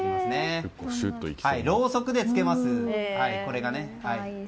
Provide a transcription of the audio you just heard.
ろうそくでつけます。